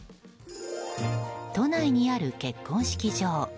都内にある結婚式場。